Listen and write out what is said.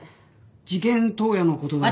事件当夜の事だが。